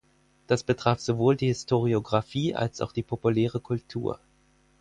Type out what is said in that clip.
Das betraf sowohl die Historiographie als auch die populäre Kultur.